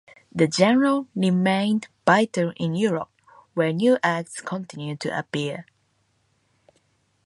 The genre remained vital in Europe, where new acts continued to appear.